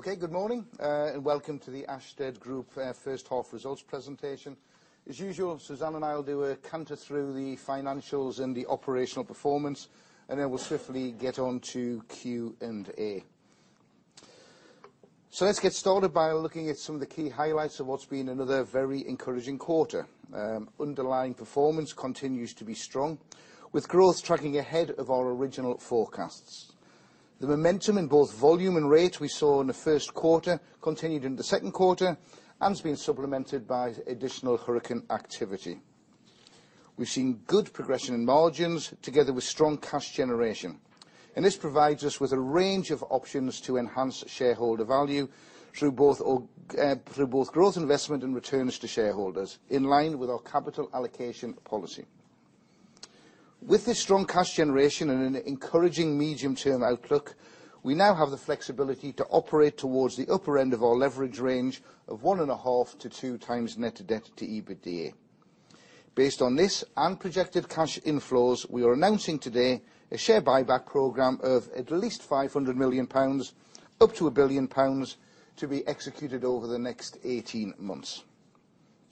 Good morning, and welcome to the Ashtead Group first half results presentation. As usual, Michael Pratt and I will do a canter through the financials and the operational performance, and then we'll swiftly get onto Q&A. Let's get started by looking at some of the key highlights of what's been another very encouraging quarter. Underlying performance continues to be strong, with growth tracking ahead of our original forecasts. The momentum in both volume and rate we saw in the first quarter continued in the second quarter and is being supplemented by additional hurricane activity. We've seen good progression in margins together with strong cash generation. This provides us with a range of options to enhance shareholder value through both growth investment and returns to shareholders, in line with our capital allocation policy. With this strong cash generation and an encouraging medium-term outlook, we now have the flexibility to operate towards the upper end of our leverage range of 1.5-2 times net debt to EBITDA. Based on this and projected cash inflows, we are announcing today a share buyback program of at least 500 million pounds, up to 1 billion pounds, to be executed over the next 18 months.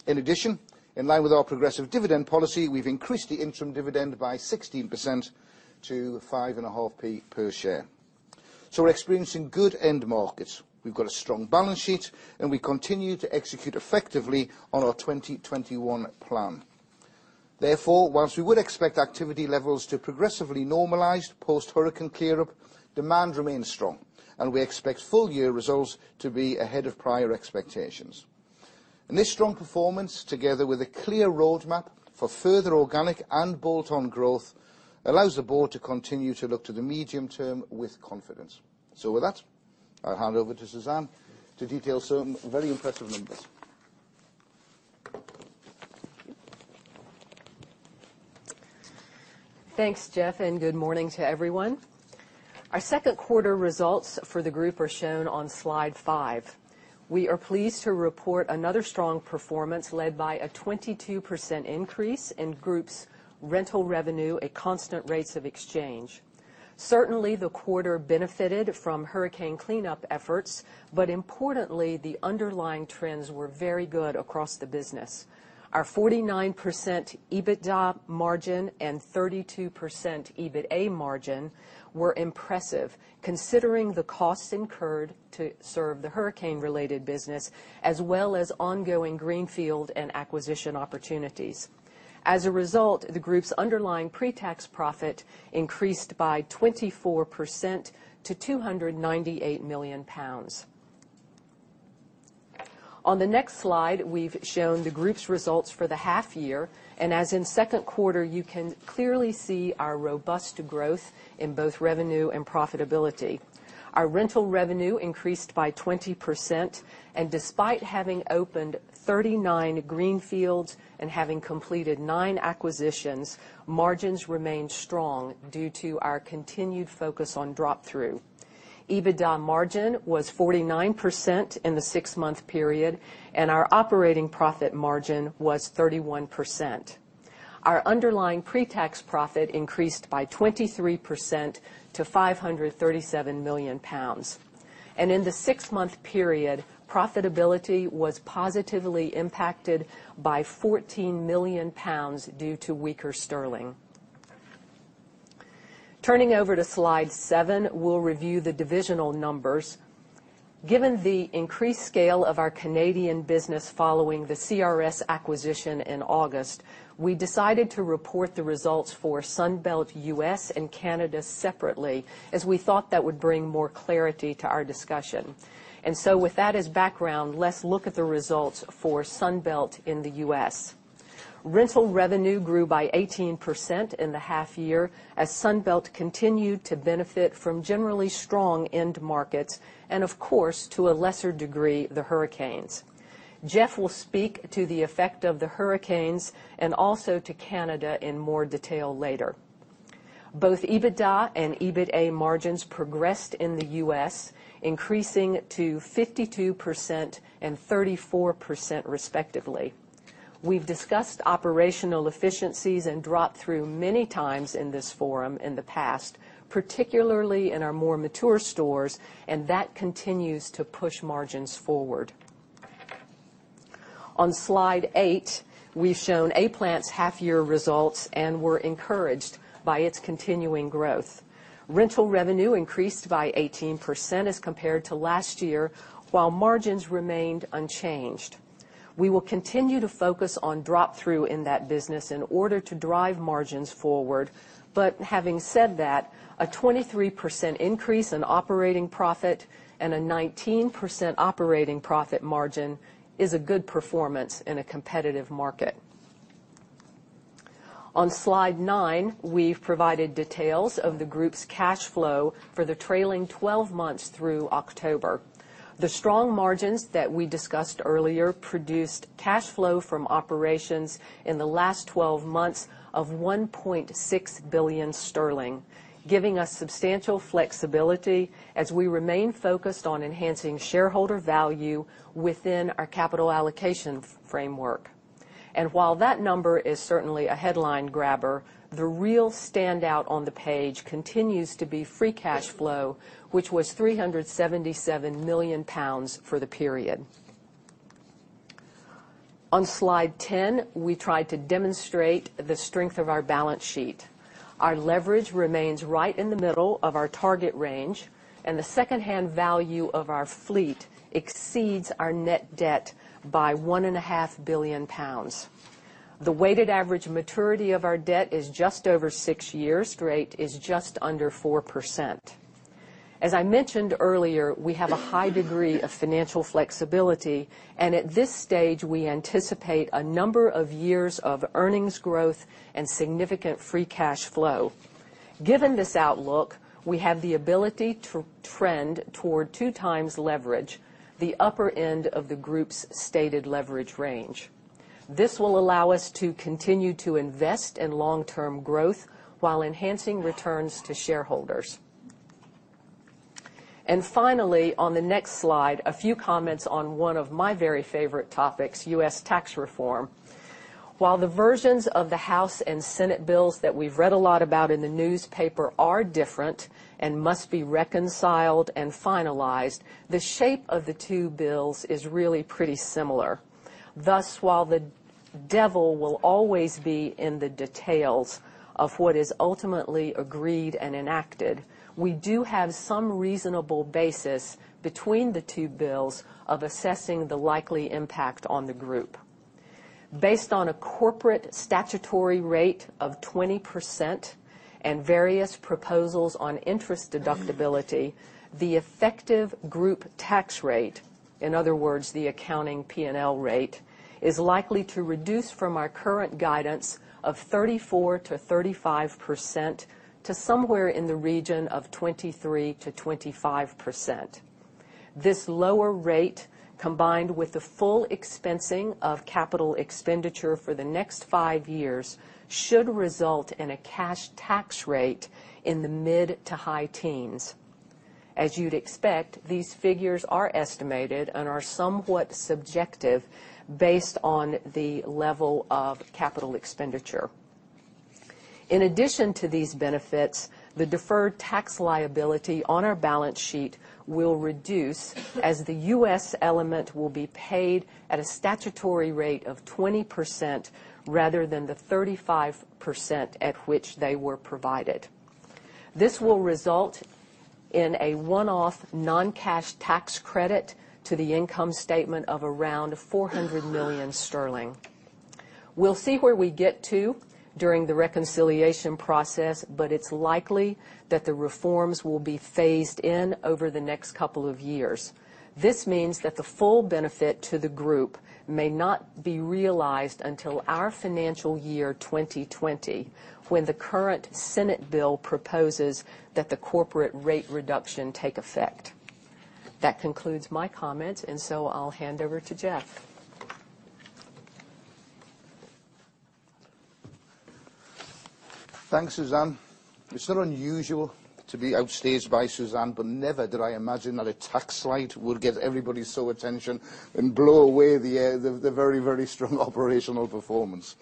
In addition, in line with our progressive dividend policy, we've increased the interim dividend by 16% to 0.055 per share. We're experiencing good end markets. We've got a strong balance sheet, and we continue to execute effectively on our 2021 plan. Therefore, whilst we would expect activity levels to progressively normalize post-hurricane clear up, demand remains strong, and we expect full year results to be ahead of prior expectations. This strong performance, together with a clear roadmap for further organic and bolt-on growth, allows the board to continue to look to the medium term with confidence. With that, I'll hand over to Michael Pratt to detail some very impressive numbers. Thanks, Geoff Drabble, and good morning to everyone. Our second quarter results for the group are shown on slide five. We are pleased to report another strong performance led by a 22% increase in group's rental revenue at constant rates of exchange. Certainly, the quarter benefited from hurricane cleanup efforts, but importantly, the underlying trends were very good across the business. Our 49% EBITDA margin and 32% EBITA margin were impressive considering the costs incurred to serve the hurricane-related business, as well as ongoing greenfield and acquisition opportunities. As a result, the group's underlying pre-tax profit increased by 24% to GBP 298 million. On the next slide, we've shown the group's results for the half year, and as in second quarter, you can clearly see our robust growth in both revenue and profitability. Our rental revenue increased by 20%, despite having opened 39 greenfields and having completed nine acquisitions, margins remained strong due to our continued focus on drop-through. EBITDA margin was 49% in the six-month period, our operating profit margin was 31%. Our underlying pre-tax profit increased by 23% to 537 million pounds. In the six-month period, profitability was positively impacted by 14 million pounds due to weaker sterling. Turning over to slide seven, we will review the divisional numbers. Given the increased scale of our Canadian business following the CRS acquisition in August, we decided to report the results for Sunbelt U.S. and Canada separately as we thought that would bring more clarity to our discussion. So with that as background, let's look at the results for Sunbelt in the U.S. Rental revenue grew by 18% in the half year as Sunbelt continued to benefit from generally strong end markets, of course, to a lesser degree, the hurricanes. Geoff will speak to the effect of the hurricanes and also to Canada in more detail later. Both EBITDA and EBITA margins progressed in the U.S., increasing to 52% and 34% respectively. We have discussed operational efficiencies and drop-through many times in this forum in the past, particularly in our more mature stores, that continues to push margins forward. On slide eight, we have shown A-Plant's half-year results and we are encouraged by its continuing growth. Rental revenue increased by 18% as compared to last year, while margins remained unchanged. We will continue to focus on drop-through in that business in order to drive margins forward. Having said that, a 23% increase in operating profit and a 19% operating profit margin is a good performance in a competitive market. On slide nine, we have provided details of the group's cash flow for the trailing 12 months through October. The strong margins that we discussed earlier produced cash flow from operations in the last 12 months of 1.6 billion sterling, giving us substantial flexibility as we remain focused on enhancing shareholder value within our capital allocation framework. While that number is certainly a headline grabber, the real standout on the page continues to be free cash flow, which was 377 million pounds for the period. On slide 10, we tried to demonstrate the strength of our balance sheet. Our leverage remains right in the middle of our target range, the secondhand value of our fleet exceeds our net debt by 1.5 billion pounds. The weighted average maturity of our debt is just over six years, rate is just under 4%. As I mentioned earlier, we have a high degree of financial flexibility, at this stage, we anticipate a number of years of earnings growth and significant free cash flow. Given this outlook, we have the ability to trend toward two times leverage, the upper end of the group's stated leverage range. This will allow us to continue to invest in long-term growth while enhancing returns to shareholders. Finally, on the next slide, a few comments on one of my very favorite topics, U.S. tax reform. While the versions of the House and Senate bills that we have read a lot about in the newspaper are different and must be reconciled and finalized, the shape of the two bills is really pretty similar. While the devil will always be in the details of what is ultimately agreed and enacted, we do have some reasonable basis between the two bills of assessing the likely impact on the group. Based on a corporate statutory rate of 20% and various proposals on interest deductibility, the effective group tax rate, in other words, the accounting P&L rate, is likely to reduce from our current guidance of 34%-35% to somewhere in the region of 23%-25%. This lower rate, combined with the full expensing of capital expenditure for the next five years, should result in a cash tax rate in the mid to high teens. As you'd expect, these figures are estimated and are somewhat subjective based on the level of capital expenditure. In addition to these benefits, the deferred tax liability on our balance sheet will reduce as the U.S. element will be paid at a statutory rate of 20%, rather than the 35% at which they were provided. This will result in a one-off non-cash tax credit to the income statement of around 400 million sterling. We'll see where we get to during the reconciliation process, but it's likely that the reforms will be phased in over the next couple of years. This means that the full benefit to the group may not be realized until our financial year 2020, when the current Senate bill proposes that the corporate rate reduction take effect. That concludes my comments. I'll hand over to Geoff. Thanks, Michael. It's not unusual to be outstaged by Michael, but never did I imagine that a tax slide would get everybody so attention and blow away the air, the very, very strong operational performance.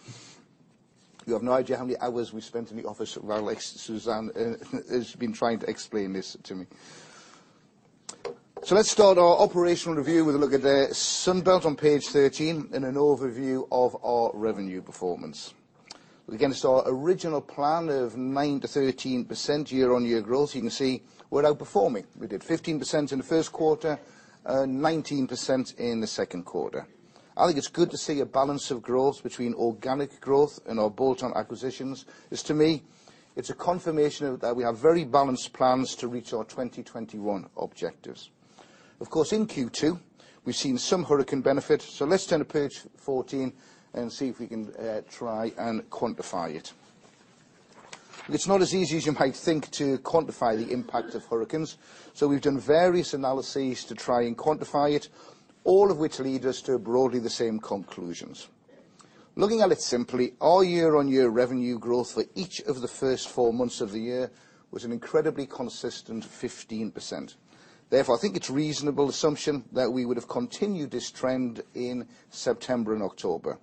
You have no idea how many hours we spent in the office while Michael has been trying to explain this to me. Let's start our operational review with a look at the Sunbelt on page 13 and an overview of our revenue performance. We're against our original plan of 9%-13% year-on-year growth. You can see we're outperforming. We did 15% in the first quarter and 19% in the second quarter. I think it's good to see a balance of growth between organic growth and our bolt-on acquisitions, as to me, it's a confirmation that we have very balanced plans to reach our 2021 objectives. Of course, in Q2, we've seen some hurricane benefit. Let's turn to page 14 and see if we can try and quantify it. It's not as easy as you might think to quantify the impact of hurricanes, so we've done various analyses to try and quantify it, all of which lead us to broadly the same conclusions. Looking at it simply, our year-on-year revenue growth for each of the first four months of the year was an incredibly consistent 15%. Therefore, I think it's reasonable assumption that we would have continued this trend in September and October.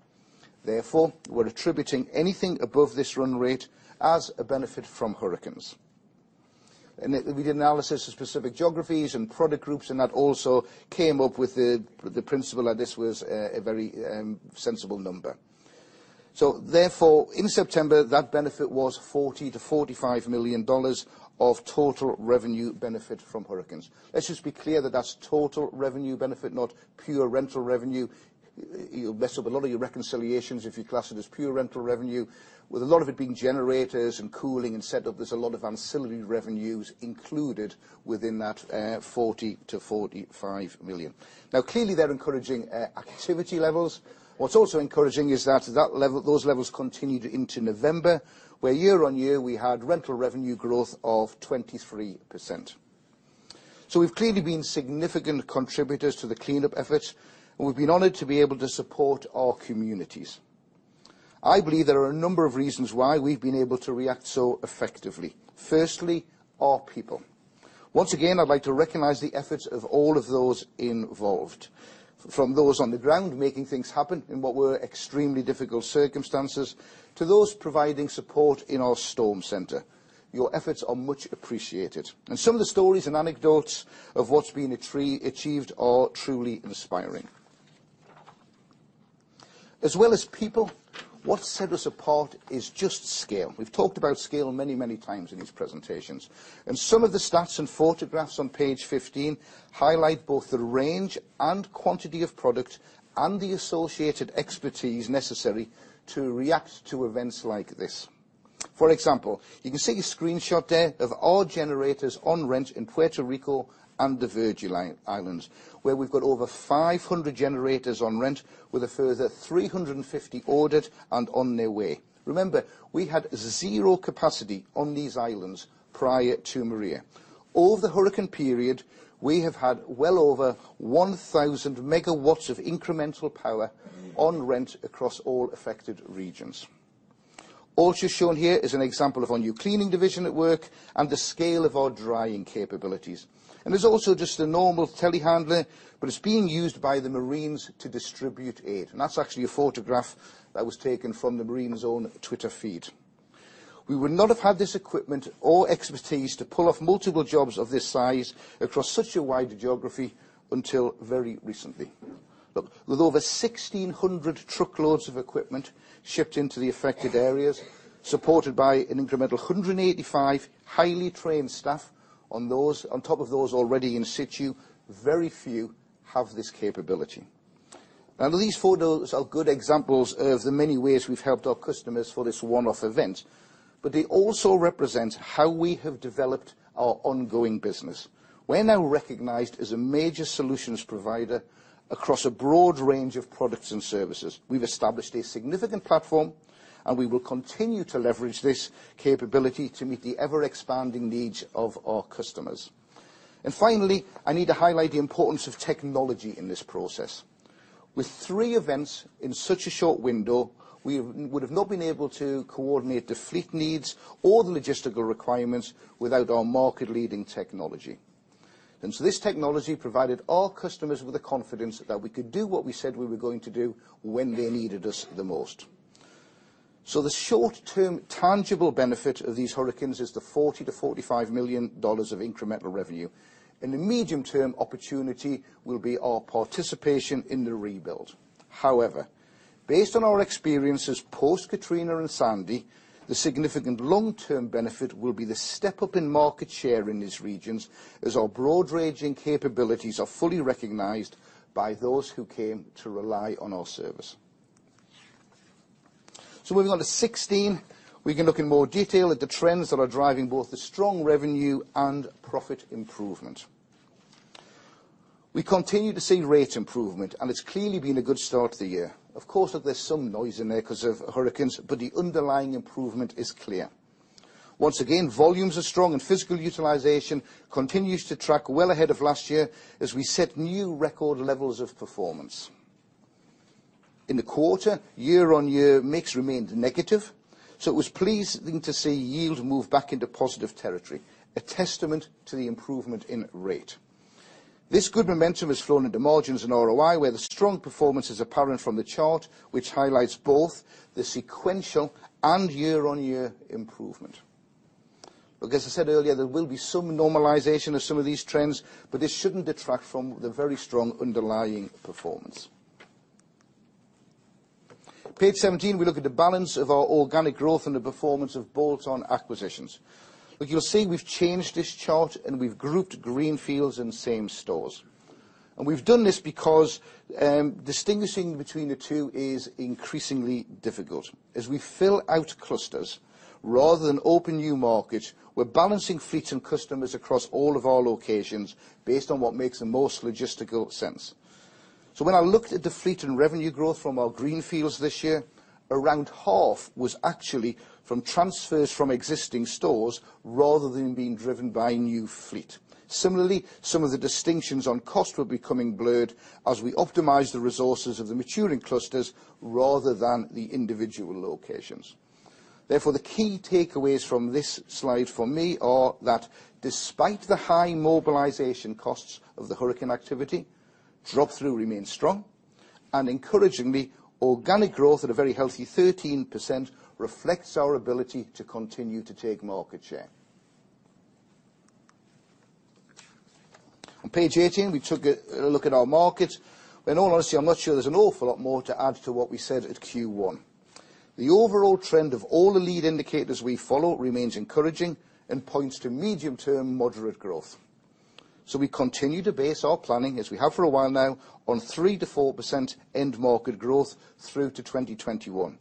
Therefore, we're attributing anything above this run rate as a benefit from hurricanes. We did analysis of specific geographies and product groups, and that also came up with the principle that this was a very sensible number. In September, that benefit was $40 million-$45 million of total revenue benefit from hurricanes. Let's just be clear that that's total revenue benefit, not pure rental revenue. You'll mess up a lot of your reconciliations if you class it as pure rental revenue. With a lot of it being generators and cooling and setup, there's a lot of ancillary revenues included within that $40 million-$45 million. Clearly, they're encouraging activity levels. What's also encouraging is that those levels continued into November, where year-over-year, we had rental revenue growth of 23%. We've clearly been significant contributors to the cleanup effort, and we've been honored to be able to support our communities. I believe there are a number of reasons why we've been able to react so effectively. Firstly, our people. Once again, I'd like to recognize the efforts of all of those involved, from those on the ground making things happen in what were extremely difficult circumstances, to those providing support in our storm center. Your efforts are much appreciated. Some of the stories and anecdotes of what's been achieved are truly inspiring. As well as people, what set us apart is just scale. We've talked about scale many, many times in these presentations, and some of the stats and photographs on page 15 highlight both the range and quantity of product and the associated expertise necessary to react to events like this. For example, you can see a screenshot there of all generators on rent in Puerto Rico and the Virgin Islands, where we've got over 500 generators on rent with a further 350 ordered and on their way. Remember, we had zero capacity on these islands prior to Maria. Over the hurricane period, we have had well over 1,000 MW of incremental power on rent across all affected regions. Also shown here is an example of our new cleaning division at work and the scale of our drying capabilities. There's also just a normal telehandler, but it's being used by the Marines to distribute aid. That's actually a photograph that was taken from the Marines' own Twitter feed. We would not have had this equipment or expertise to pull off multiple jobs of this size across such a wide geography until very recently. With over 1,600 truckloads of equipment shipped into the affected areas, supported by an incremental 185 highly trained staff on top of those already in situ, very few have this capability. These photos are good examples of the many ways we've helped our customers for this one-off event, but they also represent how we have developed our ongoing business. We're now recognized as a major solutions provider across a broad range of products and services. We've established a significant platform, and we will continue to leverage this capability to meet the ever-expanding needs of our customers. Finally, I need to highlight the importance of technology in this process. With three events in such a short window, we would have not been able to coordinate the fleet needs or the logistical requirements without our market-leading technology. This technology provided our customers with the confidence that we could do what we said we were going to do when they needed us the most. The short-term tangible benefit of these hurricanes is the $40 million-$45 million of incremental revenue. In the medium-term opportunity will be our participation in the rebuild. However, based on our experiences post-Hurricane Katrina and Hurricane Sandy, the significant long-term benefit will be the step-up in market share in these regions as our broad-ranging capabilities are fully recognized by those who came to rely on our service. Moving on to 16, we can look in more detail at the trends that are driving both the strong revenue and profit improvement. We continue to see rate improvement. It's clearly been a good start to the year. Of course, there's some noise in there because of hurricanes, but the underlying improvement is clear. Once again, volumes are strong, and physical utilization continues to track well ahead of last year as we set new record levels of performance. In the quarter, year-on-year mix remained negative. It was pleasing to see yield move back into positive territory, a testament to the improvement in rate. This good momentum has flown into margins and ROI, where the strong performance is apparent from the chart, which highlights both the sequential and year-on-year improvement. As I said earlier, there will be some normalization of some of these trends, but this shouldn't detract from the very strong underlying performance. Page 17, we look at the balance of our organic growth and the performance of bolt-on acquisitions. Look, you'll see we've changed this chart. We've grouped greenfields and same stores. We've done this because distinguishing between the two is increasingly difficult. As we fill out clusters rather than open new markets, we're balancing fleets and customers across all of our locations based on what makes the most logistical sense. When I looked at the fleet and revenue growth from our greenfields this year, around half was actually from transfers from existing stores rather than being driven by new fleet. Similarly, some of the distinctions on cost were becoming blurred as we optimized the resources of the maturing clusters rather than the individual locations. Therefore, the key takeaways from this slide for me are that despite the high mobilization costs of the hurricane activity, drop-through remains strong, and encouragingly, organic growth at a very healthy 13% reflects our ability to continue to take market share. On page 18, we took a look at our market. In all honesty, I'm not sure there's an awful lot more to add to what we said at Q1. The overall trend of all the lead indicators we follow remains encouraging and points to medium-term moderate growth. We continue to base our planning, as we have for a while now, on 3%-4% end market growth through to 2021.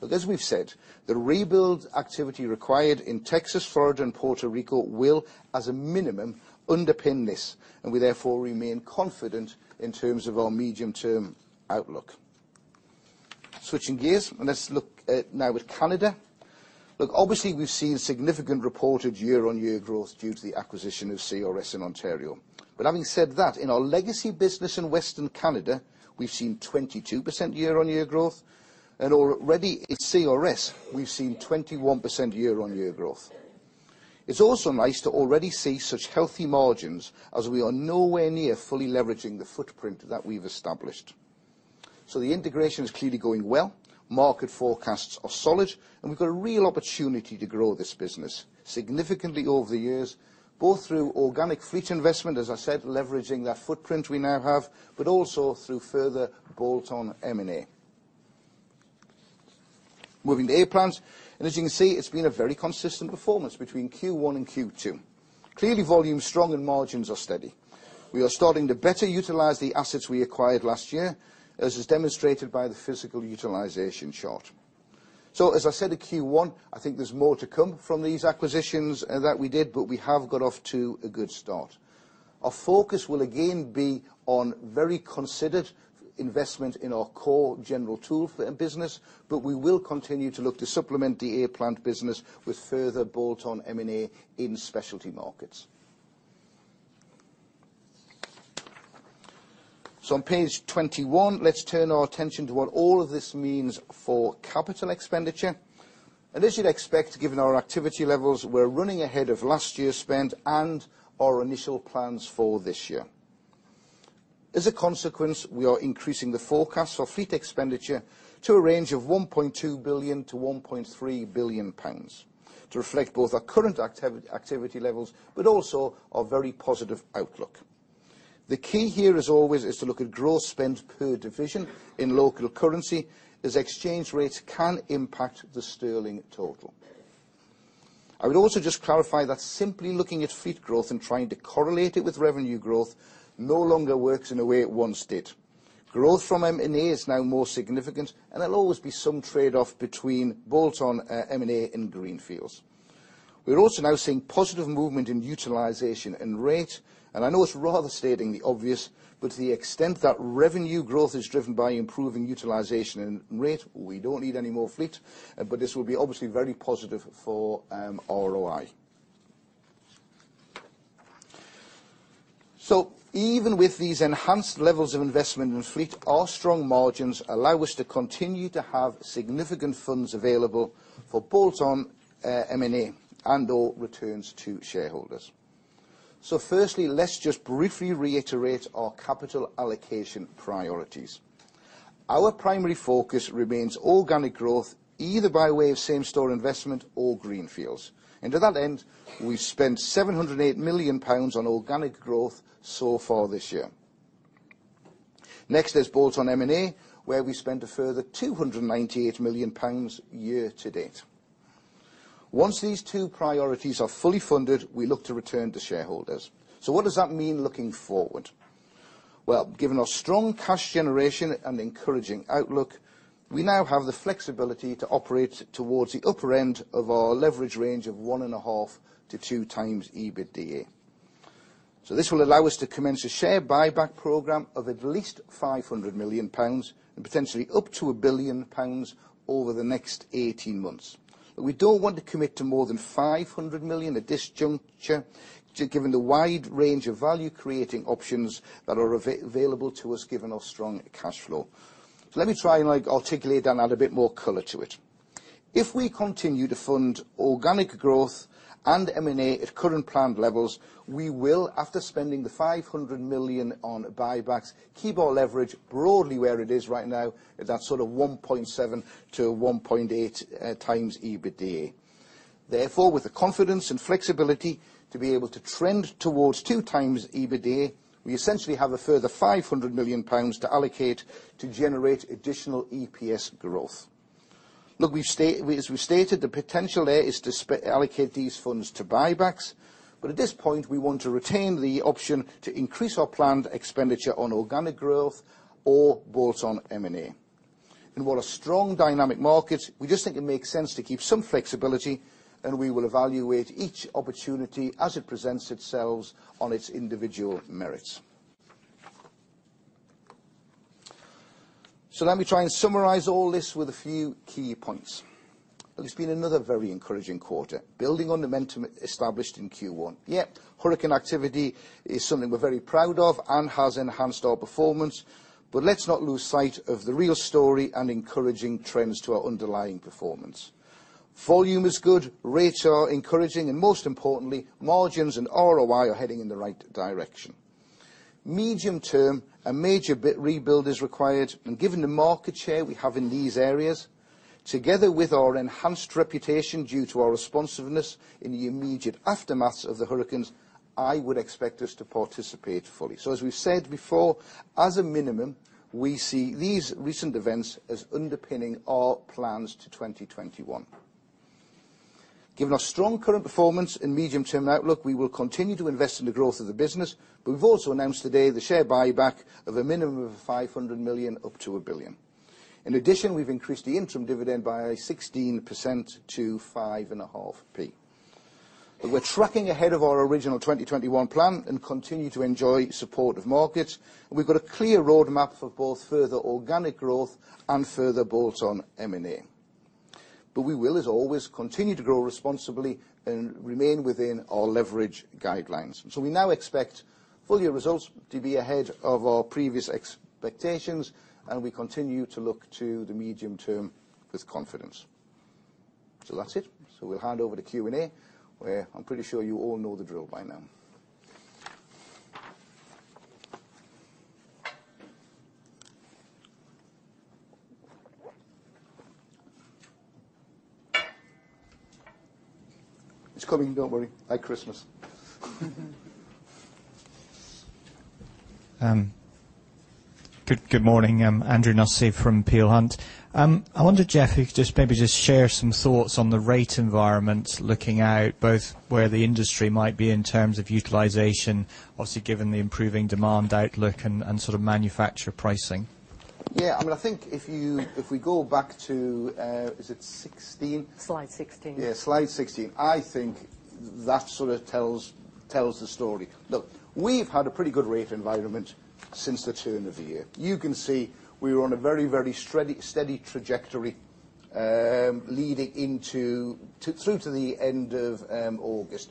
Look, as we've said, the rebuild activity required in Texas, Florida, and Puerto Rico will, as a minimum, underpin this. We therefore remain confident in terms of our medium-term outlook. Switching gears. Let's look now at Canada. Look, obviously, we've seen significant reported year-on-year growth due to the acquisition of CRS in Ontario. Having said that, in our legacy business in Western Canada, we've seen 22% year-on-year growth. Already at CRS, we've seen 21% year-on-year growth. It's also nice to already see such healthy margins, as we are nowhere near fully leveraging the footprint that we've established. The integration is clearly going well, market forecasts are solid, and we've got a real opportunity to grow this business significantly over the years, both through organic fleet investment, as I said, leveraging that footprint we now have, but also through further bolt-on M&A. Moving to A-Plant, as you can see, it's been a very consistent performance between Q1 and Q2. Clearly, volume's strong and margins are steady. We are starting to better utilize the assets we acquired last year, as is demonstrated by the physical utilization chart. As I said at Q1, I think there's more to come from these acquisitions that we did, but we have got off to a good start. Our focus will again be on very considered investment in our core general tool business, but we will continue to look to supplement the A-Plant business with further bolt-on M&A in specialty markets. On page 21, let's turn our attention to what all of this means for capital expenditure. As you'd expect, given our activity levels, we're running ahead of last year's spend and our initial plans for this year. As a consequence, we are increasing the forecast for fleet expenditure to a range of 1.2 billion-1.3 billion pounds, to reflect both our current activity levels but also our very positive outlook. The key here, as always, is to look at growth spend per division in local currency, as exchange rates can impact the sterling total. I would also just clarify that simply looking at fleet growth and trying to correlate it with revenue growth no longer works in a way it once did. Growth from M&A is now more significant, and there'll always be some trade-off between bolt-on M&A and greenfields. We're also now seeing positive movement in utilization and rate. I know it's rather stating the obvious, but to the extent that revenue growth is driven by improving utilization and rate, we don't need any more fleet, but this will be obviously very positive for ROI. Even with these enhanced levels of investment in fleet, our strong margins allow us to continue to have significant funds available for bolt-on M&A and/or returns to shareholders. Firstly, let's just briefly reiterate our capital allocation priorities. Our primary focus remains organic growth, either by way of same-store investment or greenfields. To that end, we've spent 708 million pounds on organic growth so far this year. Next is bolt-on M&A, where we spent a further 298 million pounds year to date. Once these two priorities are fully funded, we look to return to shareholders. What does that mean looking forward? Given our strong cash generation and encouraging outlook, we now have the flexibility to operate towards the upper end of our leverage range of 1.5 to 2 times EBITDA. This will allow us to commence a share buyback program of at least 500 million pounds, and potentially up to 1 billion pounds over the next 18 months. We don't want to commit to more than 500 million at this juncture, given the wide range of value-creating options that are available to us, given our strong cash flow. Let me try and articulate and add a bit more color to it. If we continue to fund organic growth and M&A at current planned levels, we will, after spending the 500 million on buybacks, keep our leverage broadly where it is right now, at that sort of 1.7 to 1.8 times EBITDA. Therefore, with the confidence and flexibility to be able to trend towards two times EBITDA, we essentially have a further 500 million pounds to allocate to generate additional EPS growth. As we stated, the potential there is to allocate these funds to buybacks, at this point, we want to retain the option to increase our planned expenditure on organic growth or bolt-on M&A. In what are strong dynamic markets, we just think it makes sense to keep some flexibility, we will evaluate each opportunity as it presents itself on its individual merits. Let me try and summarize all this with a few key points. It's been another very encouraging quarter, building on the momentum established in Q1. Hurricane activity is something we're very proud of and has enhanced our performance, let's not lose sight of the real story and encouraging trends to our underlying performance. Volume is good, rates are encouraging, most importantly, margins and ROI are heading in the right direction. Medium term, a major bit rebuild is required, and given the market share we have in these areas, together with our enhanced reputation due to our responsiveness in the immediate aftermath of the hurricanes, I would expect us to participate fully. As we've said before, as a minimum, we see these recent events as underpinning our plans to 2021. Given our strong current performance and medium-term outlook, we will continue to invest in the growth of the business, we've also announced today the share buyback of a minimum of 500 million up to 1 billion. In addition, we've increased the interim dividend by 16% to five and a half p. We're tracking ahead of our original 2021 plan and continue to enjoy supportive markets. We've got a clear roadmap for both further organic growth and further bolt-on M&A. We will, as always, continue to grow responsibly and remain within our leverage guidelines. We now expect full year results to be ahead of our previous expectations, we continue to look to the medium term with confidence. That's it. We'll hand over to Q&A, where I'm pretty sure you all know the drill by now. It's coming, don't worry. Like Christmas. Good morning. I'm Andrew Nussey from Peel Hunt. I wonder, Geoff, if you could just maybe just share some thoughts on the rate environment, looking out both where the industry might be in terms of utilization, obviously, given the improving demand outlook and manufacturer pricing. Yeah, I think if we go back to, is it 16? Slide 16. Yeah, slide 16. I think that sort of tells the story. Look, we've had a pretty good rate environment since the turn of the year. You can see we were on a very steady trajectory leading through to the end of August.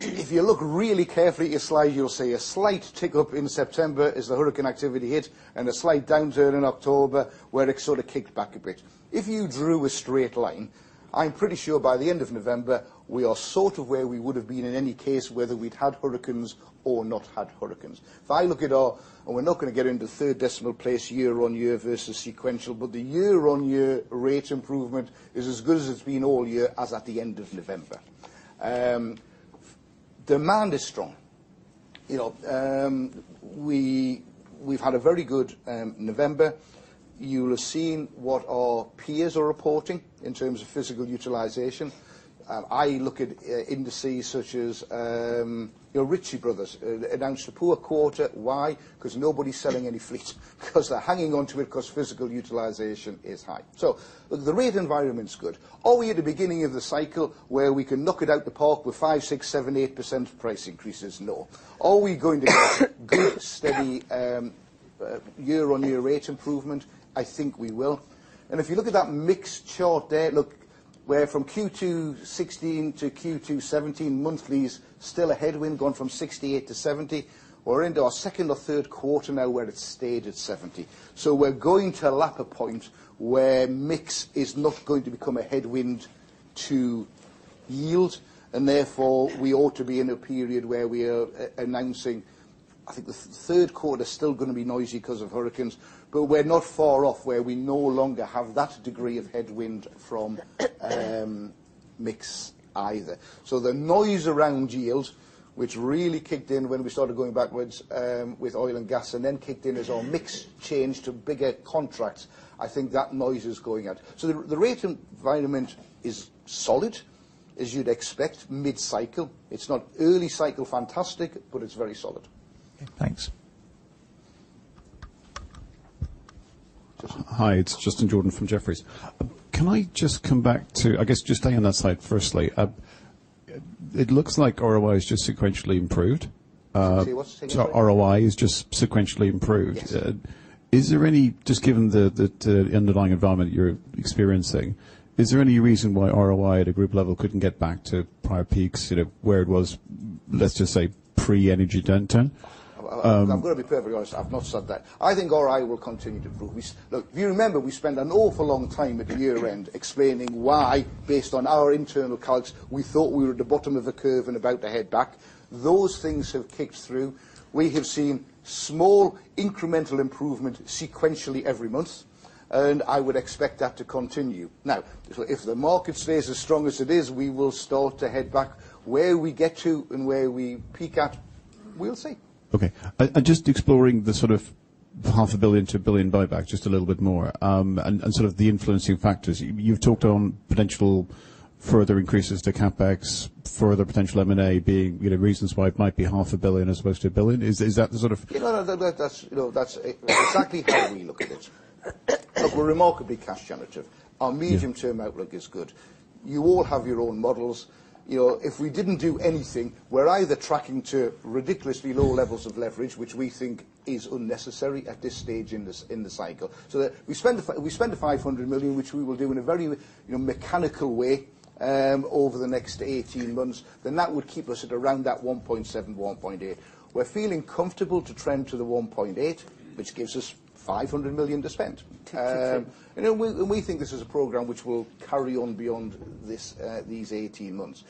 If you look really carefully at your slide, you'll see a slight tick up in September as the hurricane activity hit, and a slight downturn in October, where it sort of kicked back a bit. If you drew a straight line, I'm pretty sure by the end of November, we are sort of where we would've been in any case, whether we'd had hurricanes or not had hurricanes. If I look at our We're not going to get into third decimal place year-on-year versus sequential. The year-on-year rate improvement is as good as it's been all year as at the end of November. Demand is strong. We've had a very good November. You will have seen what our peers are reporting in terms of physical utilization. I look at indices such as Ritchie Bros. announcing a poor quarter. Why? Because nobody's selling any fleet because they're hanging onto it because physical utilization is high. The rate environment's good. Are we at the beginning of the cycle where we can knock it out of the park with 5, 6, 7, 8% price increases? No. Are we going to get steady year-on-year rate improvement? I think we will. If you look at that mixed chart there, look, we're from Q2 2016 to Q2 2017 monthly is still a headwind going from 68 to 70. We're into our second or third quarter now where it's stayed at 70. We're going to lap a point where mix is not going to become a headwind to yield, and therefore, we ought to be in a period where we are announcing I think the third quarter's still going to be noisy because of hurricanes, but we're not far off where we no longer have that degree of headwind from mix either. The noise around yield, which really kicked in when we started going backwards with oil and gas, and then kicked in as our mix changed to bigger contracts. I think that noise is going out. The rate environment is solid, as you'd expect mid cycle. It's not early cycle fantastic, but it's very solid. Okay, thanks. Hi, it's Justin Jordan from Jefferies. Can I just come back to, I guess, just staying on that slide firstly. It looks like ROI has just sequentially improved. Sorry, what's sequentially? Sorry, ROI has just sequentially improved. Yes. Is there any, just given the underlying environment that you're experiencing, is there any reason why ROI at a group level couldn't get back to prior peaks? Where it was, let's just say, pre-energy downturn? I'm going to be perfectly honest. I've not said that. I think ROI will continue to improve. Look, if you remember, we spent an awful long time at the year-end explaining why, based on our internal calcs, we thought we were at the bottom of the curve and about to head back. Those things have kicked through. We have seen small incremental improvement sequentially every month, I would expect that to continue. Now, if the market stays as strong as it is, we will start to head back. Where we get to and where we peak at, we'll see. Okay. Just exploring the sort of half a billion to 1 billion buyback just a little bit more. Sort of the influencing factors. You've talked on potential further increases to CapEx, further potential M&A being reasons why it might be half a billion as opposed to 1 billion. Is that the sort of No. That's exactly how we look at it. Look, we're remarkably cash generative. Yeah. Our medium term outlook is good. You all have your own models. If we didn't do anything, we're either tracking to ridiculously low levels of leverage, which we think is unnecessary at this stage in the cycle. If we spend the 500 million, which we will do in a very mechanical way over the next 18 months, that would keep us at around that 1.7, 1.8. We're feeling comfortable to trend to the 1.8, which gives us 500 million to spend. To spend. We think this is a program which will carry on beyond these 18 months.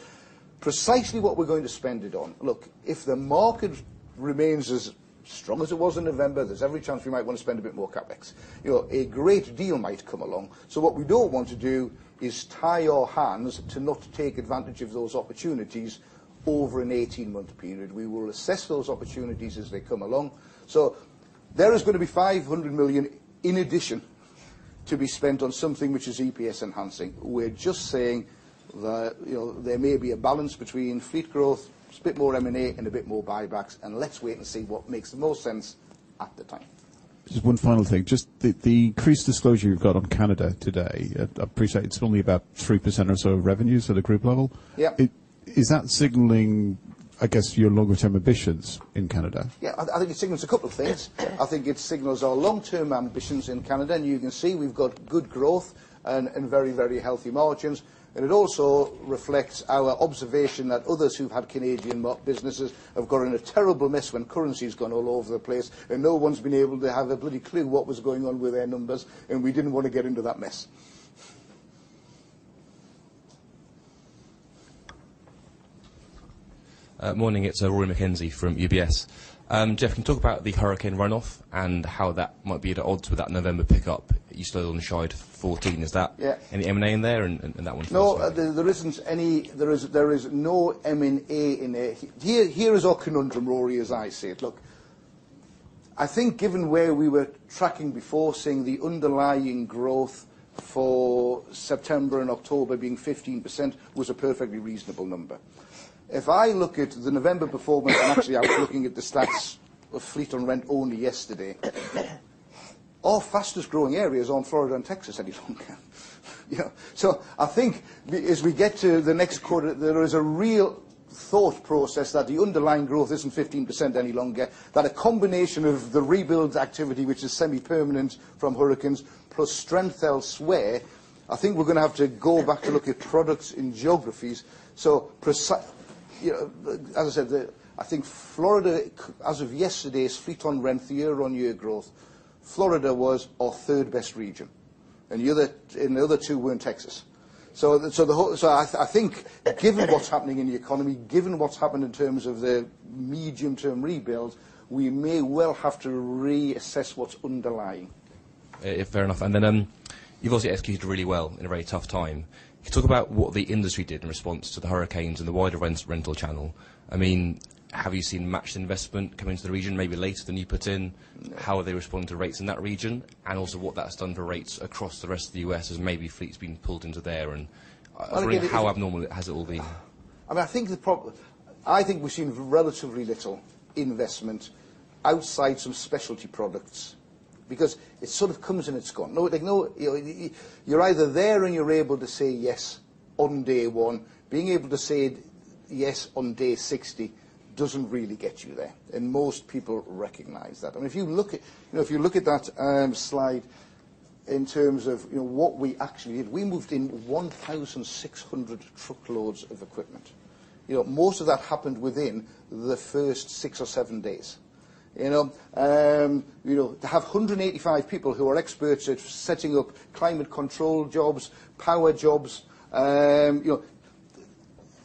Precisely what we're going to spend it on. Look, if the market remains as strong as it was in November, there's every chance we might want to spend a bit more CapEx. A great deal might come along. What we don't want to do is tie our hands to not take advantage of those opportunities over an 18-month period. We will assess those opportunities as they come along. There is going to be 500 million in addition to be spent on something which is EPS enhancing. We're just saying that there may be a balance between fleet growth, a bit more M&A, and a bit more buybacks, and let's wait and see what makes the most sense at the time. Just one final thing. Just the increased disclosure you've got on Canada today, I appreciate it's only about 3% or so of revenues for the group level. Yeah. Is that signaling, I guess, your longer-term ambitions in Canada? Yeah, I think it signals a couple of things. Yeah. I think it signals our long-term ambitions in Canada, and you can see we've got good growth and very healthy margins. It also reflects our observation that others who've had Canadian businesses have got in a terrible mess when currency's gone all over the place, and no one's been able to have a bloody clue what was going on with their numbers, and we didn't want to get into that mess. Morning, it's Rory McKenzie from UBS. Geoff, can you talk about the hurricane runoff and how that might be at odds with that November pickup? You still only showed 14. Is that? Yeah Any M&A in there and that one? No, there is no M&A in there. Here is our conundrum, Rory, as I see it. Look, I think given where we were tracking before, seeing the underlying growth for September and October being 15% was a perfectly reasonable number. If I look at the November performance and actually I was looking at the stats of fleet on rent only yesterday. Our fastest growing area is on Florida and Texas any longer. I think as we get to the next quarter, there is a real thought process that the underlying growth isn't 15% any longer. That a combination of the rebuilds activity, which is semi-permanent from hurricanes, plus strength elsewhere, I think we're going to have to go back to look at products in geographies. As I said, I think Florida, as of yesterday's fleet on rent year-on-year growth, Florida was our third-best region, and the other two were in Texas. I think given what's happening in the economy, given what's happened in terms of the medium-term rebuilds, we may well have to reassess what's underlying. Fair enough. Then, you've obviously executed really well in a very tough time. Can you talk about what the industry did in response to the hurricanes and the wider rental channel? Have you seen much investment come into the region maybe later than you put in? How are they responding to rates in that region? Also what that's done for rates across the rest of the U.S. as maybe fleets being pulled into there? I think- How abnormal has it all been? I think we've seen relatively little investment outside some specialty products because it sort of comes and it's gone. You're either there and you're able to say yes on day one. Being able to say yes on day 60 doesn't really get you there, and most people recognize that. If you look at that slide in terms of what we actually did, we moved in 1,600 truckloads of equipment. Most of that happened within the first six or seven days. To have 185 people who are experts at setting up climate control jobs, power jobs,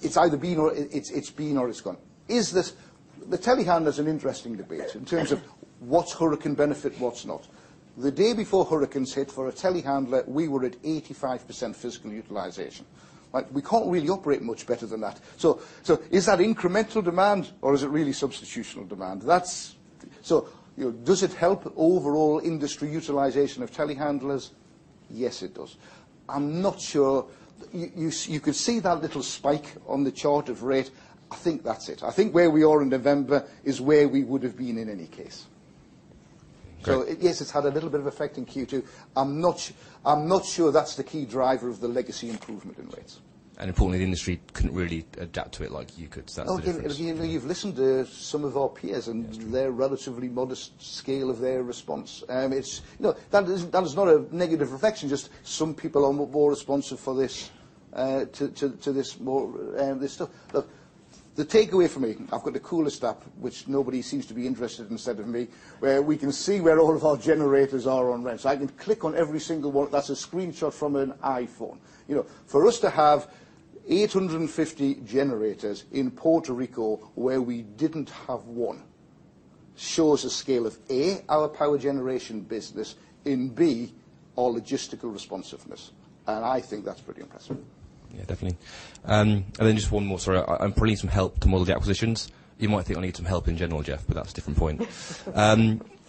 it's either been or it's gone. The telehandler is an interesting debate in terms of what's hurricane benefit, what's not. The day before hurricanes hit for a telehandler, we were at 85% physical utilization. We can't really operate much better than that. Is that incremental demand or is it really substitutional demand? Does it help overall industry utilization of telehandlers? Yes, it does. You could see that little spike on the chart of rate. I think that's it. I think where we are in November is where we would have been in any case. Great. Yes, it's had a little bit of effect in Q2. I'm not sure that's the key driver of the legacy improvement in rates. Importantly, the industry couldn't really adapt to it like you could. That's the difference. Again, you've listened to some of our peers. That's true their relatively modest scale of their response. That was not a negative reflection, just some people are more responsive for this to this stuff. Look, the takeaway for me, I've got the coolest app, which nobody seems to be interested in instead of me, where we can see where all of our generators are on rent. I can click on every single one. That's a screenshot from an iPhone. For us to have 850 generators in Puerto Rico where we didn't have one shows a scale of, A, our power generation business in, B, our logistical responsiveness, and I think that's pretty impressive. Yeah, definitely. Then just one more, sorry. I probably need some help to model the acquisitions. You might think I need some help in general, Geoff, but that's a different point.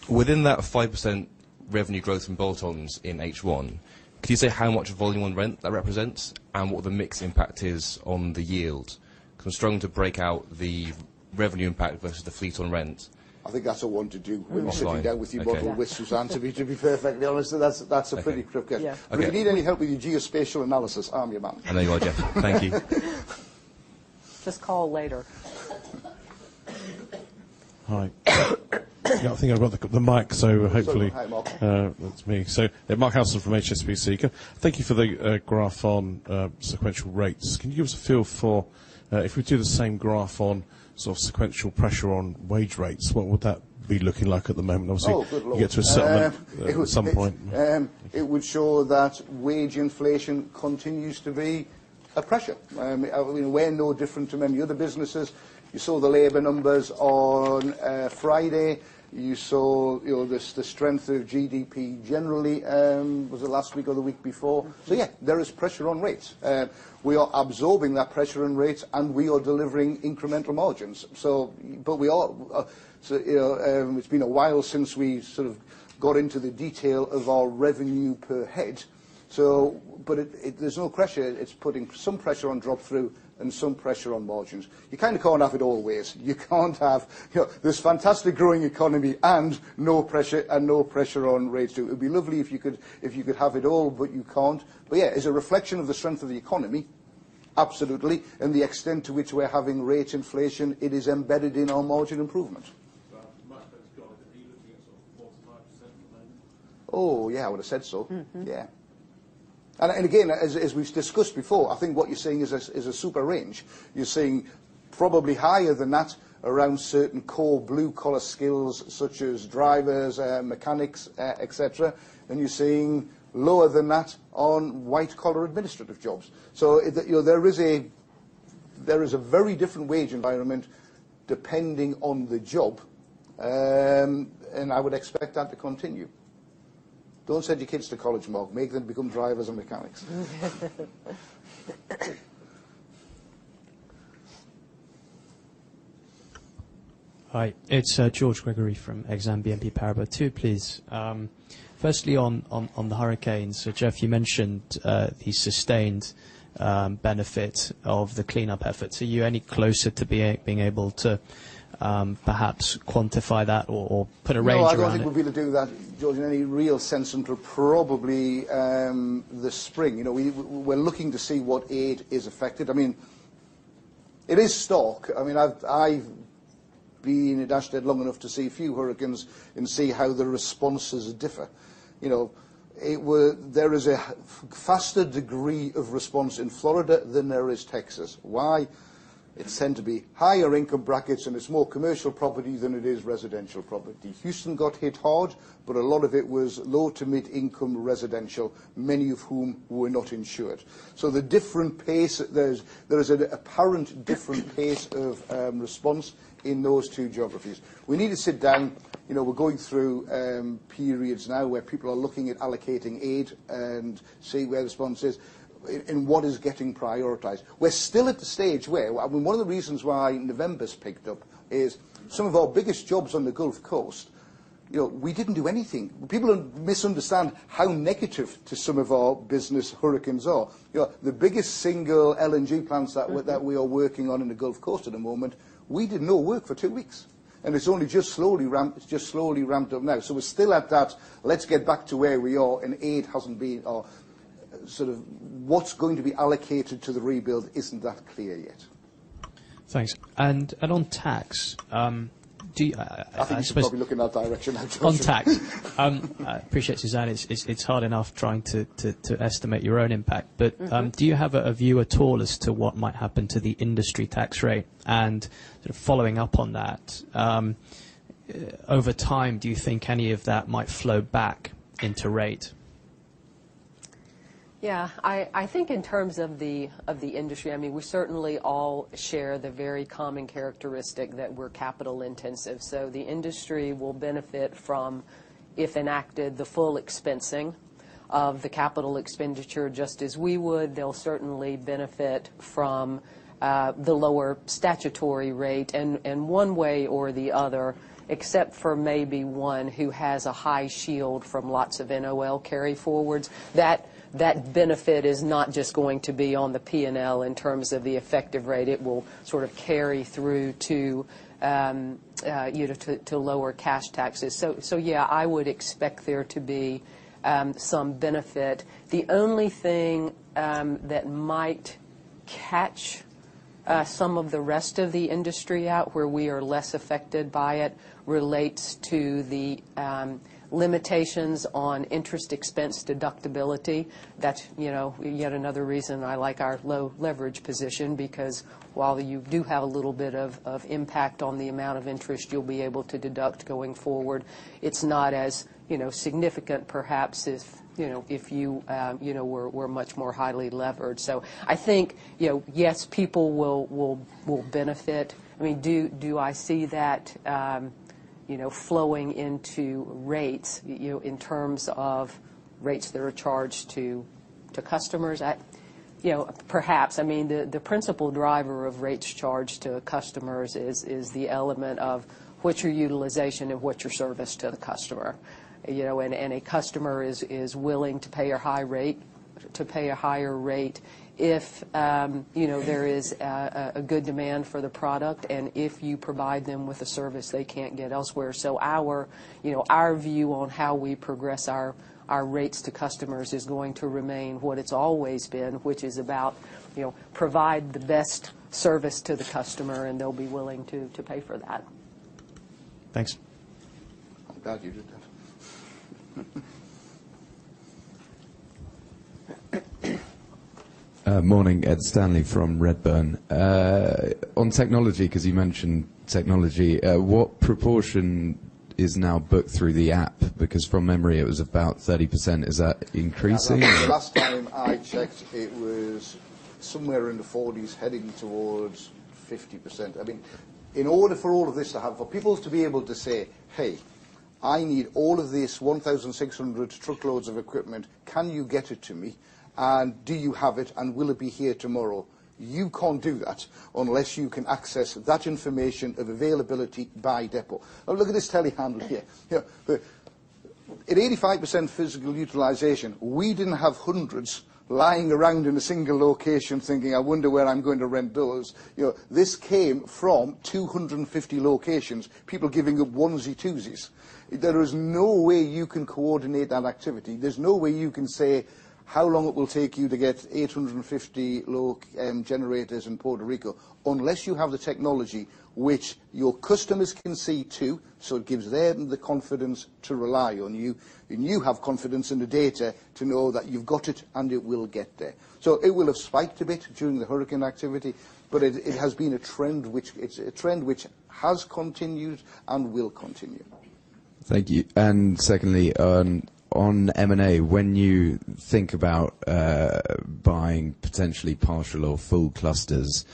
Within that 5% revenue growth from bolt-ons in H1, could you say how much volume on rent that represents and what the mix impact is on the yield? I'm struggling to break out the revenue impact versus the fleet on rent. I think that's a one to do. Offline when we're sitting down with you broadly with Suzanne, to be perfectly honest. That's a pretty crooked- Yeah. Okay. If you need any help with your geospatial analysis, I'm your man. There you are, Geoff. Thank you. Just call later. Hi. Yeah, I think I got the mic, so hopefully- Sorry. Hi, Mark. That's me. Mark Howson from HSBC. Thank you for the graph on sequential rates. Can you give us a feel for, if we do the same graph on sort of sequential pressure on wage rates, what would that be looking like at the moment? Obviously- Oh, good Lord. You get to a settlement at some point. It would show that wage inflation continues to be a pressure. We're no different to many other businesses. You saw the labor numbers on Friday. You saw the strength of GDP generally. Was it last week or the week before? Yeah, there is pressure on rates. We are absorbing that pressure on rates, and we are delivering incremental margins. It's been a while since we sort of got into the detail of our revenue per head. There's no question it's putting some pressure on drop-through and some pressure on margins. You kind of can't have it all ways. This fantastic growing economy and no pressure on rates too. It'd be lovely if you could have it all, but you can't. Yeah, it's a reflection of the strength of the economy, absolutely, and the extent to which we're having rate inflation, it is embedded in our margin improvement. Oh yeah, I would have said so. Yeah. Again, as we've discussed before, I think what you're seeing is a super range. You're seeing probably higher than that around certain core blue-collar skills such as drivers, mechanics, et cetera, and you're seeing lower than that on white-collar administrative jobs. There is a very different wage environment depending on the job, and I would expect that to continue. Don't send your kids to college, Mark, make them become drivers and mechanics. Hi, it's George Gregory from Exane BNP Paribas. Two, please. Firstly, on the hurricanes. Geoff, you mentioned the sustained benefit of the cleanup efforts. Are you any closer to being able to perhaps quantify that or put a range around it? No, I don't think we'll be able to do that, George, in any real sense until probably the spring. We're looking to see what aid is affected. It is stock. I've been at Ashtead long enough to see a few hurricanes and see how the responses differ. There is a faster degree of response in Florida than there is Texas. Why? It's tend to be higher income brackets and it's more commercial property than it is residential property. Houston got hit hard, but a lot of it was low to mid-income residential, many of whom were not insured. There is an apparent different pace of response in those two geographies. We need to sit down. We're going through periods now where people are looking at allocating aid and seeing where response is and what is getting prioritized. We're still at the stage. One of the reasons why November's picked up is some of our biggest jobs on the Gulf Coast, we didn't do anything. People misunderstand how negative to some of our business hurricanes are. The biggest single LNG plants that we are working on in the Gulf Coast at the moment, we did no work for two weeks, and it's only just slowly ramped up now. We're still at that, let's get back to where we are. What's going to be allocated to the rebuild isn't that clear yet. Thanks. On tax. I think you should probably look in that direction actually On tax. I appreciate, Suzanne, it's hard enough trying to estimate your own impact. Do you have a view at all as to what might happen to the industry tax rate and following up on that, over time, do you think any of that might flow back into rate? Yeah. I think in terms of the industry, we certainly all share the very common characteristic that we're capital intensive. The industry will benefit from, if enacted, the full expensing of the capital expenditure, just as we would. They'll certainly benefit from the lower statutory rate. One way or the other, except for maybe one who has a high shield from lots of NOL carry forwards, that benefit is not just going to be on the P&L in terms of the effective rate. It will sort of carry through to lower cash taxes. Yeah, I would expect there to be some benefit. The only thing that might catch some of the rest of the industry out where we are less affected by it relates to the limitations on interest expense deductibility. That's yet another reason I like our low leverage position because while you do have a little bit of impact on the amount of interest you'll be able to deduct going forward, it's not as significant perhaps if we're much more highly leveraged. I think, yes, people will benefit. Do I see that flowing into rates in terms of rates that are charged to customers? Perhaps. The principal driver of rates charged to customers is the element of what's your utilization and what's your service to the customer. A customer is willing to pay a higher rate if there is a good demand for the product and if you provide them with a service they can't get elsewhere. Our view on how we progress our rates to customers is going to remain what it's always been, which is about provide the best service to the customer and they'll be willing to pay for that. Thanks. I'm glad you did that. Morning. Ed Stanley from Redburn. On technology, because you mentioned technology, what proportion is now booked through the app? From memory, it was about 30%. Is that increasing? The last time I checked it was somewhere in the 40s heading towards 50%. In order for all of this to happen, for people to be able to say, "Hey, I need all of these 1,600 truckloads of equipment. Can you get it to me? Do you have it and will it be here tomorrow?" You can't do that unless you can access that information of availability by depot. Look at this telehandler here. At 85% physical utilization, we didn't have hundreds lying around in a single location thinking, "I wonder where I'm going to rent those." This came from 250 locations, people giving up onesie-twosies. There is no way you can coordinate that activity. Thank you. There's no way you can say how long it will take you to get 850 generators in Puerto Rico unless you have the technology which your customers can see too, it gives them the confidence to rely on you, and you have confidence in the data to know that you've got it and it will get there. It will have spiked a bit during the hurricane activity, it has been a trend which has continued and will continue. Thank you. Secondly, on M&A, when you think about buying potentially partial or full clusters,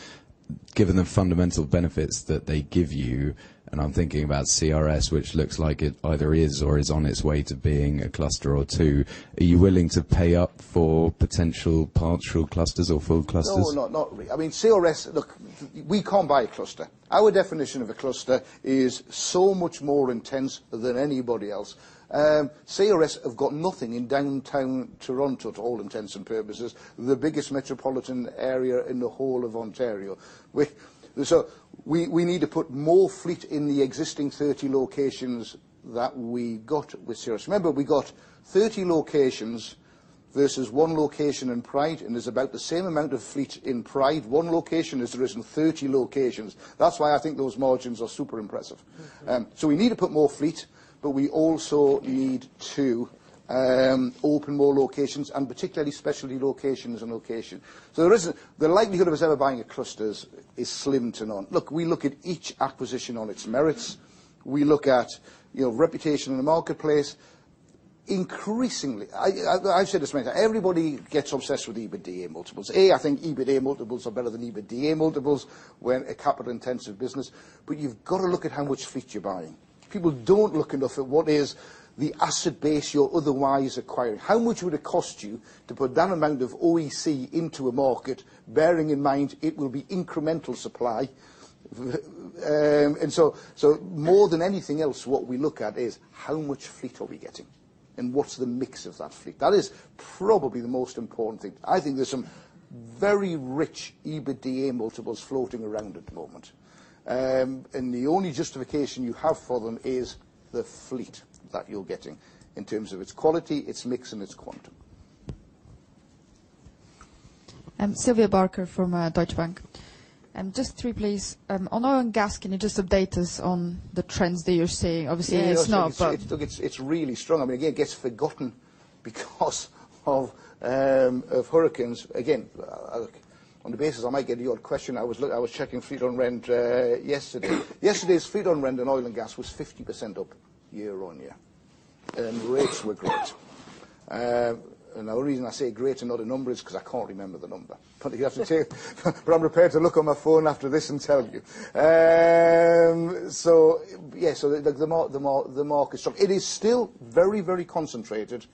given the fundamental benefits that they give you, and I'm thinking about CRS, which looks like it either is or is on its way to being a cluster or two, are you willing to pay up for potential partial clusters or full clusters? No, not really. Look, we can't buy a cluster. Our definition of a cluster is so much more intense than anybody else. CRS have got nothing in downtown Toronto, to all intents and purposes, the biggest metropolitan area in the whole of Ontario. We need to put more fleet in the existing 30 locations that we got with CRS. Remember, we got 30 locations versus one location in Pride, and there's about the same amount of fleet in Pride. One location as there is in 30 locations. That's why I think those margins are super impressive. We need to put more fleet, we also need to open more locations and particularly specialty location is a location. The likelihood of us ever buying a clusters is slim to none. Look, we look at each acquisition on its merits. We look at reputation in the marketplace. Increasingly, I've said this many times, everybody gets obsessed with EBITDA multiples. I think EBITDA multiples are better than EBITDA multiples when a capital intensive business, but you've got to look at how much fleet you're buying. People don't look enough at what is the asset base you're otherwise acquiring. How much would it cost you to put that amount of OEC into a market, bearing in mind it will be incremental supply. More than anything else, what we look at is how much fleet are we getting, and what's the mix of that fleet. That is probably the most important thing. I think there's some very rich EBITDA multiples floating around at the moment. The only justification you have for them is the fleet that you're getting in terms of its quality, its mix, and its quantum. Sylvia Barker from Deutsche Bank. Just three, please. On oil and gas, can you just update us on the trends that you're seeing? Obviously, it's not. It's really strong. It gets forgotten because of hurricanes. On the basis I might get the odd question, I was checking fleet on rent yesterday. Yesterday's fleet on rent on oil and gas was 50% up year-on-year. Rates were great. The only reason I say great and not a number is because I can't remember the number. You have to say but I'm prepared to look on my phone after this and tell you. The market's strong. It is still very concentrated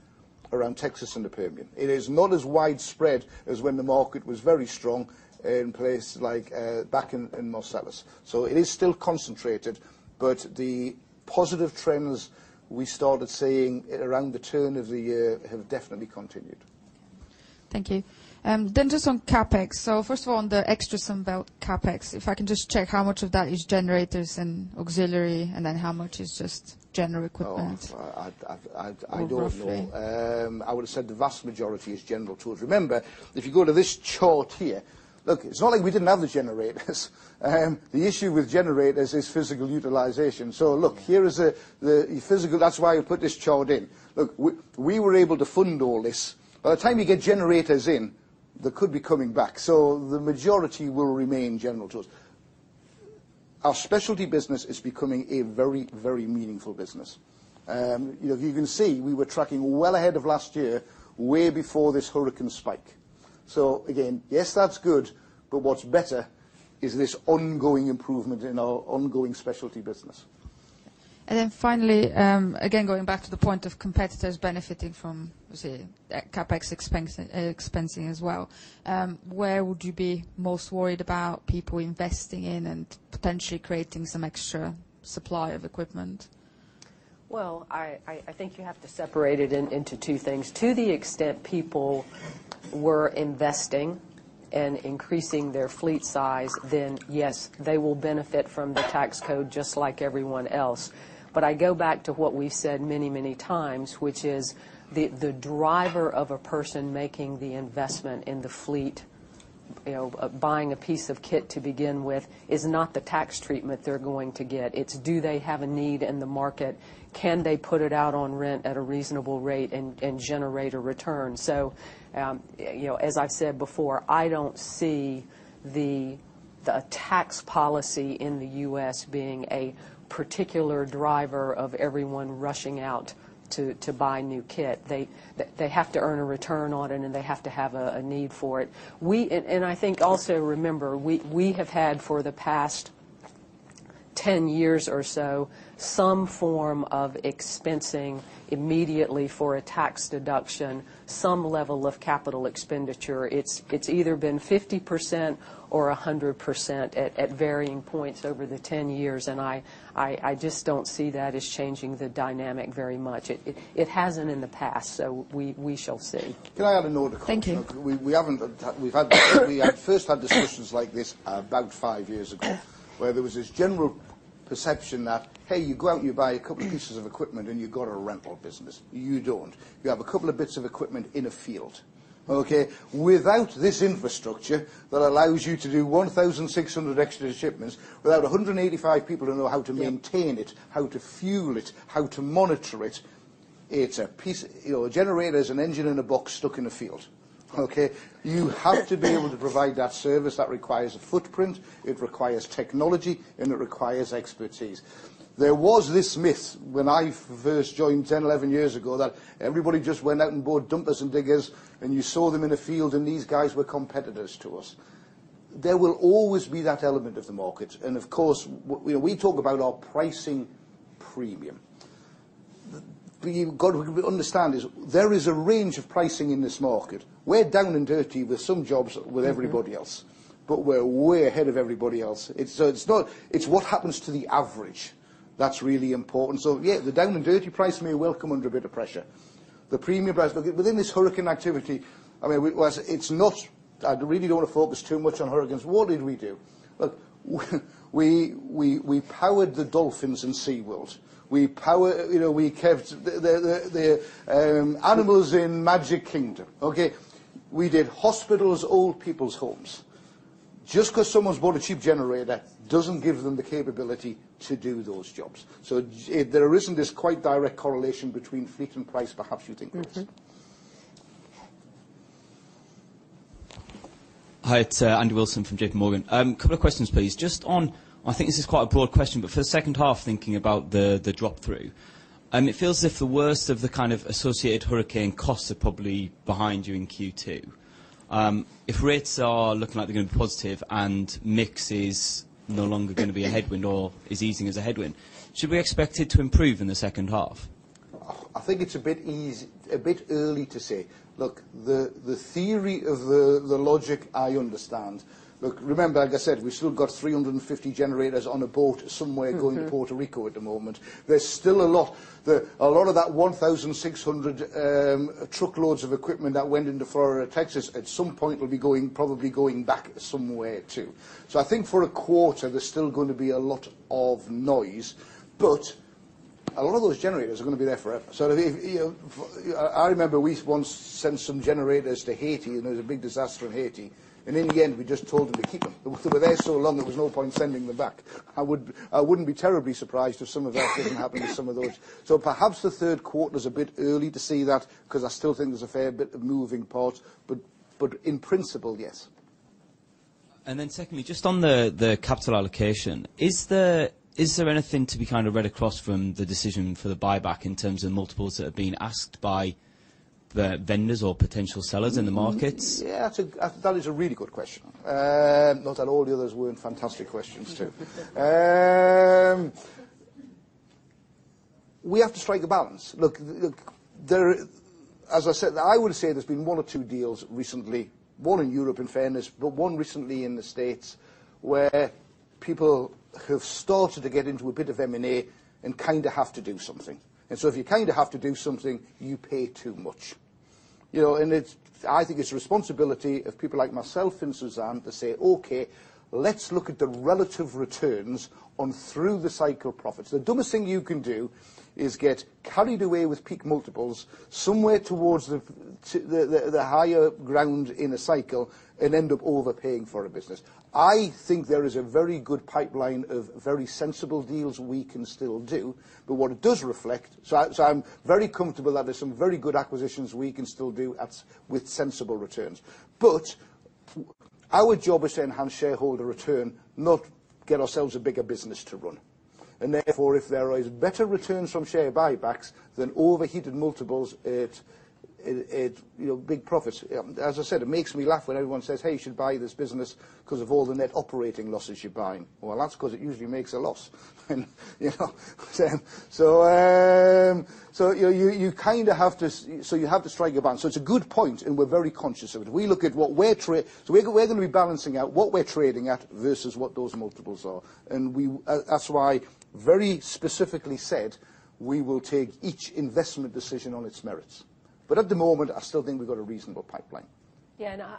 around Texas and the Permian. It is not as widespread as when the market was very strong in places like back in Marcellus. It is still concentrated, but the positive trends we started seeing around the turn of the year have definitely continued. Thank you. Just on CapEx. First of all, on the extra Sunbelt CapEx, if I can just check how much of that is generators and auxiliary, how much is just general equipment? I don't know. Roughly. I would've said the vast majority is general tools. Remember, if you go to this chart here, look, it's not like we didn't have the generators. The issue with generators is physical utilization. Look, here is the physical. That's why I put this chart in. Look, we were able to fund all this. By the time you get generators in, they could be coming back. The majority will remain general tools. Our specialty business is becoming a very meaningful business. You can see we were tracking well ahead of last year, way before this hurricane spike. Again, yes, that's good, but what's better is this ongoing improvement in our ongoing specialty business. Finally, again, going back to the point of competitors benefiting from, say, CapEx expensing as well, where would you be most worried about people investing in and potentially creating some extra supply of equipment? I think you have to separate it into two things. To the extent people were investing and increasing their fleet size, then yes, they will benefit from the tax code just like everyone else. I go back to what we've said many times, which is the driver of a person making the investment in the fleet, buying a piece of kit to begin with, is not the tax treatment they're going to get. It's do they have a need in the market? Can they put it out on rent at a reasonable rate and generate a return? As I've said before, I don't see the tax policy in the U.S. being a particular driver of everyone rushing out to buy new kit. They have to earn a return on it, and they have to have a need for it. I think also, remember, we have had for the past 10 years or so, some form of expensing immediately for a tax deduction, some level of capital expenditure. It's either been 50% or 100% at varying points over the 10 years, I just don't see that as changing the dynamic very much. It hasn't in the past, we shall see. Can I add an order comment? Thank you. We first had discussions like this about 5 years ago, where there was this general perception that, hey, you go out and you buy a couple pieces of equipment and you've got a rental business. You don't. You have a couple of bits of equipment in a field. Okay? Without this infrastructure that allows you to do 1,600 extra shipments, without 185 people who know how to maintain it, how to fuel it, how to monitor it. A generator is an engine in a box stuck in a field. Okay? You have to be able to provide that service. That requires a footprint, it requires technology, and it requires expertise. There was this myth when I first joined 10, 11 years ago, that everybody just went out and bought dumpers and diggers, and you saw them in the field, and these guys were competitors to us. There will always be that element of the market. Of course, we talk about our pricing premium. What you've got to understand is there is a range of pricing in this market. We're down and dirty with some jobs with everybody else. We're way ahead of everybody else. It's what happens to the average that's really important. Yeah, the down and dirty price may well come under a bit of pressure. Within this hurricane activity, I mean, it's not I really don't want to focus too much on hurricanes. What did we do? Well, we powered the dolphins in SeaWorld. We kept the animals in Magic Kingdom. Okay? We did hospitals, old people's homes. Just because someone's bought a cheap generator doesn't give them the capability to do those jobs. There isn't this quite direct correlation between fleet and price perhaps you think there is. Hi, it's Andy Wilson from J.P. Morgan. Couple of questions, please. I think this is quite a broad question, but for the second half, thinking about the drop-through. It feels as if the worst of the kind of associated hurricane costs are probably behind you in Q2. If rates are looking like they're going to be positive and mix is no longer going to be a headwind or is easing as a headwind, should we expect it to improve in the second half? I think it's a bit early to say. Look, the theory of the logic I understand. Look, remember, like I said, we've still got 350 generators on a boat somewhere. going to Puerto Rico at the moment. There's still a lot. A lot of that 1,600 truckloads of equipment that went into Florida, Texas, at some point will be probably going back somewhere, too. I think for a quarter, there's still going to be a lot of noise, but a lot of those generators are going to be there forever. I remember we once sent some generators to Haiti, and there was a big disaster in Haiti. In the end, we just told them to keep them. They were there so long, there was no point in sending them back. I wouldn't be terribly surprised if some of that didn't happen to some of those. Perhaps the third quarter's a bit early to say that because I still think there's a fair bit of moving parts. In principle, yes. Secondly, just on the capital allocation. Is there anything to be kind of read across from the decision for the buyback in terms of multiples that are being asked by the vendors or potential sellers in the markets? That is a really good question. Not that all the others weren't fantastic questions, too. We have to strike a balance. Look, as I said, I would say there's been one or two deals recently, one in Europe in fairness, but one recently in the U.S., where people have started to get into a bit of M&A and kind of have to do something. If you kind of have to do something, you pay too much. I think it's the responsibility of people like myself and Michael Pratt to say, "Okay, let's look at the relative returns on through-the-cycle profits." The dumbest thing you can do is get carried away with peak multiples somewhere towards the higher ground in a cycle and end up overpaying for a business. I think there is a very good pipeline of very sensible deals we can still do. What it does reflect. I'm very comfortable that there's some very good acquisitions we can still do with sensible returns. Our job is to enhance shareholder return, not get ourselves a bigger business to run. Therefore, if there is better returns from share buybacks than overheated multiples at big profits. As I said, it makes me laugh when everyone says, "Hey, you should buy this business because of all the net operating losses you're buying." That's because it usually makes a loss. You have to strike a balance. It's a good point, and we're very conscious of it. We look at what we're going to be balancing out what we're trading at versus what those multiples are. That's why very specifically said, we will take each investment decision on its merits. At the moment, I still think we've got a reasonable pipeline.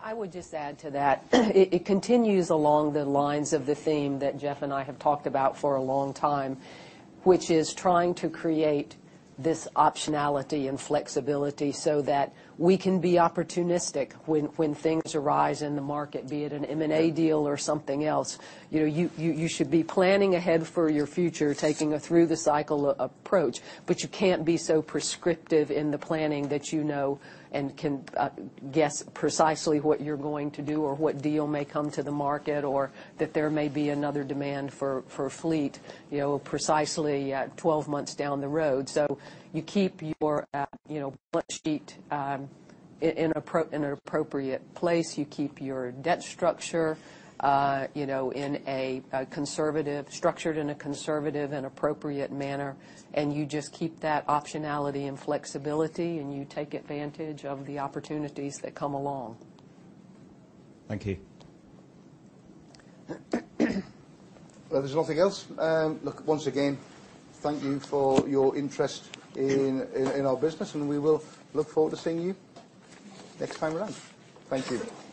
I would just add to that. It continues along the lines of the theme that Geoff and I have talked about for a long time, which is trying to create this optionality and flexibility so that we can be opportunistic when things arise in the market, be it an M&A deal or something else. You should be planning ahead for your future, taking a through-the-cycle approach, but you can't be so prescriptive in the planning that you know and can guess precisely what you're going to do or what deal may come to the market or that there may be another demand for a fleet precisely 12 months down the road. You keep your balance sheet in an appropriate place. You keep your debt structure structured in a conservative and appropriate manner, and you just keep that optionality and flexibility, and you take advantage of the opportunities that come along. Thank you. Well, if there's nothing else, look, once again, thank you for your interest in our business, and we will look forward to seeing you next time around. Thank you.